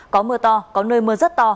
có mưa to có nơi mưa rất to